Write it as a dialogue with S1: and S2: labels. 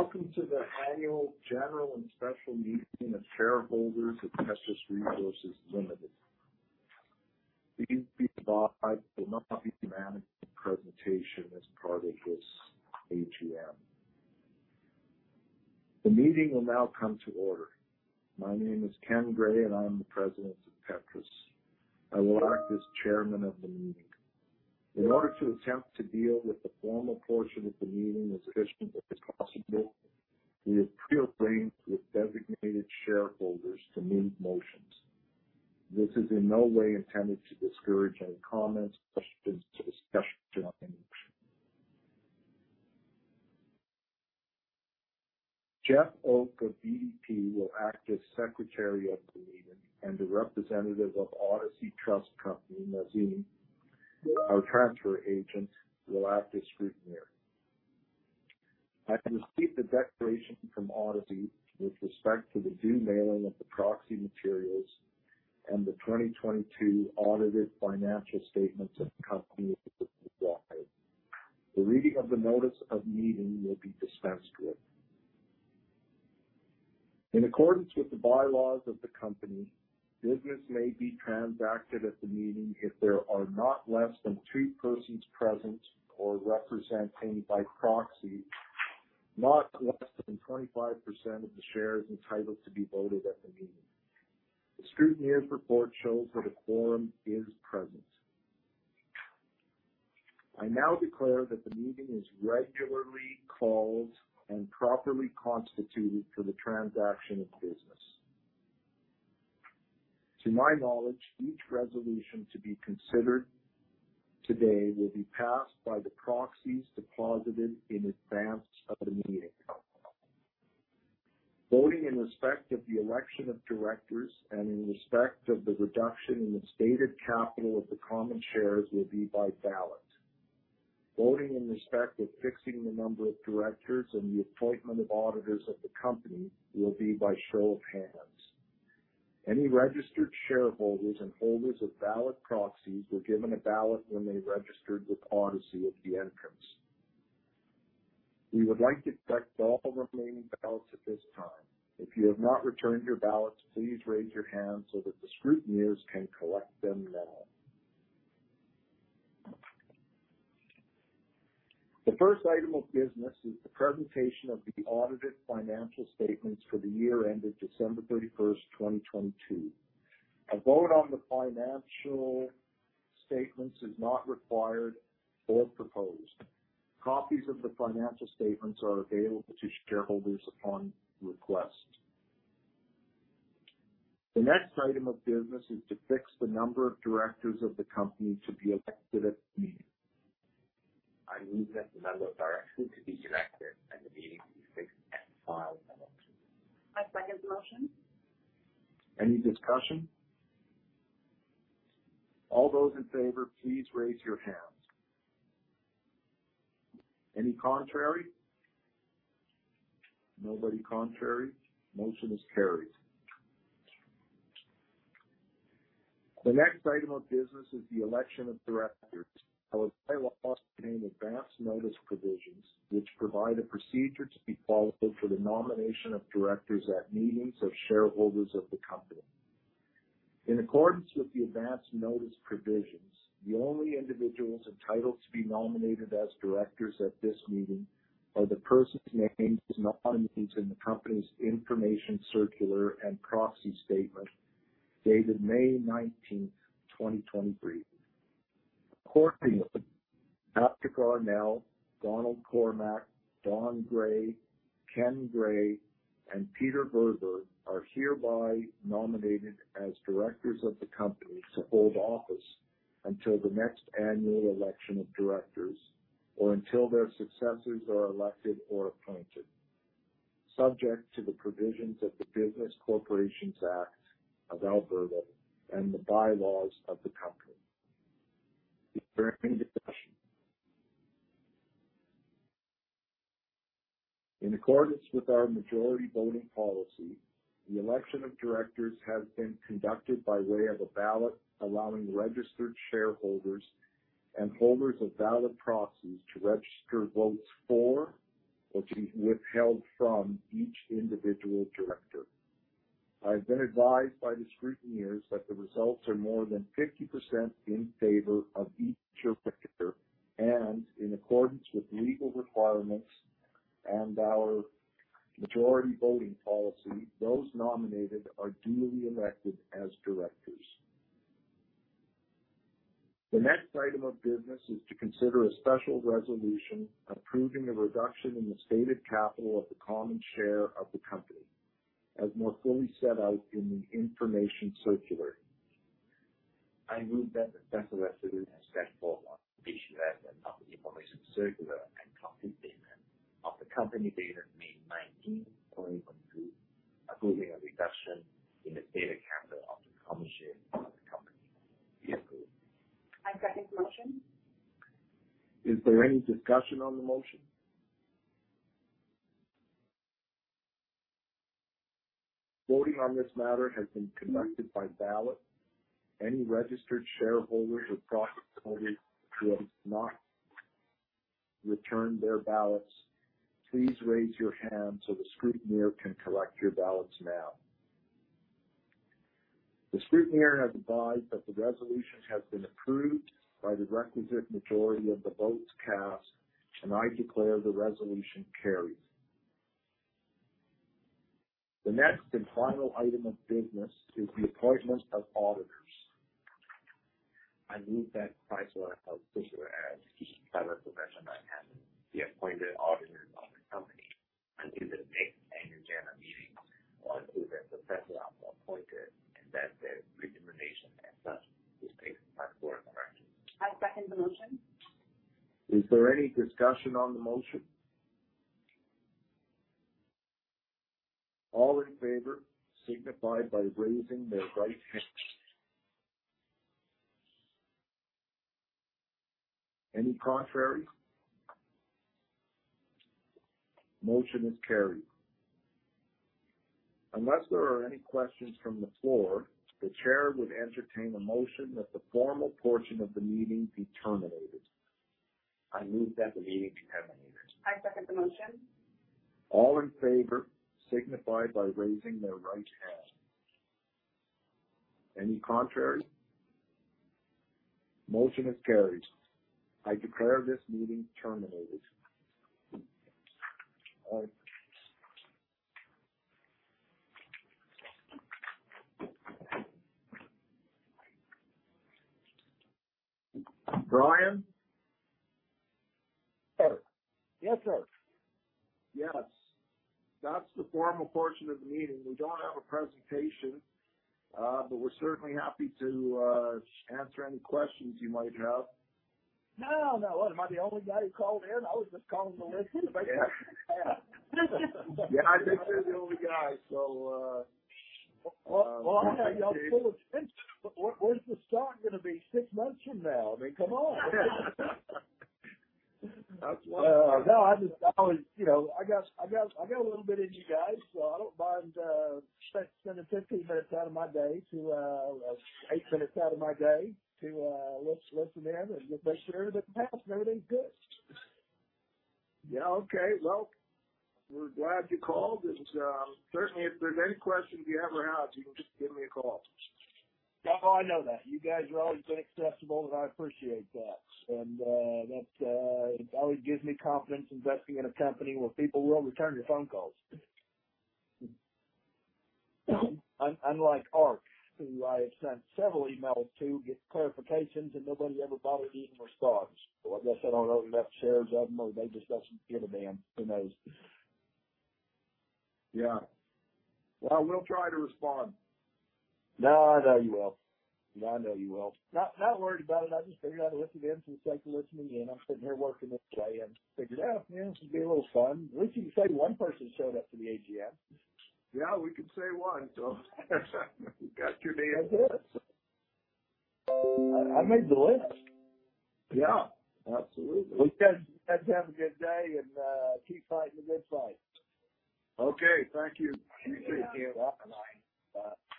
S1: Welcome to the annual general and special meeting of shareholders of Petrus Resources Ltd. These provide will not be managed presentation as part of this AGM. The meeting will now come to order. My name is Ken Gray, and I'm the president of Petrus. I will act as chairman of the meeting. In order to attempt to deal with the formal portion of the meeting as efficiently as possible, we have prearranged with designated shareholders to move motions. This is in no way intended to discourage any comments, questions, or discussion on the motion. Jeff Oke of BD&P will act as secretary of the meeting, and the representative of Odyssey Trust Company, Nazim, our transfer agent, will act as scrutineer. I've received a declaration from Odyssey with respect to the due mailing of the proxy materials and the 2022 audited financial statements of the company. The reading of the notice of meeting will be dispensed with. In accordance with the bylaws of the company, business may be transacted at the meeting if there are not less than two persons present or representing by proxy, not less than 25% of the shares entitled to be voted at the meeting. The scrutineer's report shows that a quorum is present. I now declare that the meeting is regularly called and properly constituted for the transaction of business. To my knowledge, each resolution to be considered today will be passed by the proxies deposited in advance of the meeting. Voting in respect of the election of directors and in respect of the reduction in the stated capital of the common shares will be by ballot. Voting in respect of fixing the number of directors and the appointment of auditors of the company will be by show of hands. Any registered shareholders and holders of valid proxies were given a ballot when they registered with Odyssey at the entrance. We would like to collect all remaining ballots at this time. If you have not returned your ballots, please raise your hand so that the scrutineers can collect them now. The first item of business is the presentation of the audited financial statements for the year ended December 31st, 2022. A vote on the financial statements is not required or proposed. Copies of the financial statements are available to shareholders upon request. The next item of business is to fix the number of directors of the company to be elected at the meeting.
S2: I move that the number of directors to be elected at the meeting be fixed at five in number. I second the motion.
S1: Any discussion? All those in favor, please raise your hands. Any contrary? Nobody contrary. Motion is carried. The next item of business is the election of directors. Our bylaw contain advance notice provisions, which provide a procedure to be followed for the nomination of directors at meetings of shareholders of the company. In accordance with the advance notice provisions, the only individuals entitled to be nominated as directors at this meeting are the persons' names nominated in the company's information circular and proxy statement dated May 19th, 2023. Accordingly, Patrick Arnell, Donald Cormack, Don Gray, Ken Gray, and Peter Verburg are hereby nominated as directors of the company to hold office until the next annual election of directors, or until their successors are elected or appointed, subject to the provisions of the Business Corporations Act of Alberta and the bylaws of the company. Is there any discussion? In accordance with our majority voting policy, the election of directors has been conducted by way of a ballot, allowing registered shareholders and holders of valid proxies to register votes for or to be withheld from each individual director. I've been advised by the scrutineers that the results are more than 50% in favor of each director, and in accordance with legal requirements and our majority voting policy, those nominated are duly elected as directors. The next item of business is to consider a special resolution approving the reduction in the stated capital of the common share of the company, as more fully set out in the information circular.
S2: I move that the special resolution as set forth on page 11 of the information circular and company statement of the company dated May 19th, 2022, approving a reduction in the stated capital of the common share of the company be approved. I second the motion.
S1: Is there any discussion on the motion? Voting on this matter has been conducted by ballot. Any registered shareholders or proxy holders who have not returned their ballots, please raise your hand so the scrutineer can collect your ballots now. The scrutineer has advised that the resolution has been approved by the requisite majority of the votes cast, and I declare the resolution carries. The next and final item of business is the appointment of auditors.
S2: I move that PricewaterhouseCoopers as each private professional and the appointed auditors of the company, until the next annual general meeting or until their successor are appointed, and that their remuneration as such is paid by the board of directors. I second the motion.
S1: Is there any discussion on the motion? All in favor signify by raising their right hand. Any contrary? Motion is carried. Unless there are any questions from the floor, the chair would entertain a motion that the formal portion of the meeting be terminated.
S2: I move that the meeting be terminated. I second the motion.
S1: All in favor signified by raising their right hand. Any contrary? Motion is carried. I declare this meeting terminated. Brian?
S3: Yes, sir.
S1: Yes. That's the formal portion of the meeting. We don't have a presentation, but we're certainly happy to answer any questions you might have.
S3: No, no. What, am I the only guy who called in? I was just calling to listen.
S1: Yeah. Yeah, I think you're the only guy, so.
S3: Well, I know y'all. Where's the stock gonna be six months from now? I mean, come on.
S1: That's right.
S3: no, I just, I was, you know, I got a little bit in you guys, so I don't mind spending 15 minutes out of my day to 8 minutes out of my day to listen in and make sure everything's passing, everything's good.
S1: Yeah. Okay, well, we're glad you called, and certainly if there's any questions you ever have, you can just give me a call.
S3: Oh, I know that. You guys have always been accessible, and I appreciate that. That, it always gives me confidence investing in a company where people will return your phone calls. Unlike Arch, who I have sent several emails to get clarifications, and nobody ever bothered even responding. I guess I don't own enough shares of them, or they just doesn't give a damn. Who knows?
S1: Yeah. Well, we'll try to respond.
S3: No, I know you will. I know you will. Not worried about it. I just figured I'd listen in since I could listen in. I'm sitting here working this day and figured, oh, man, this would be a little fun. At least you can say one person showed up to the AGM.
S1: Yeah, we can say one, so we got you there.
S3: I did it. I made the list.
S1: Yeah, absolutely.
S3: Well, guys, you guys have a good day, and keep fighting the good fight.
S1: Okay. Thank you.
S3: Thank you. Bye.